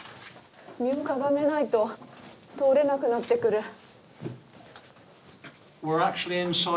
身をかがめないと通れなくなってくる。